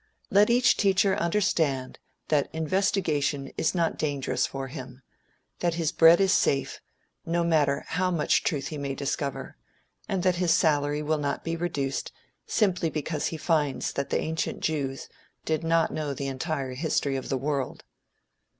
Let each teacher understand that investigation is not dangerous for him; that his bread is safe, no matter how much truth he may discover, and that his salary will not be reduced, simply because he finds that the ancient Jews did not know the entire history of the world.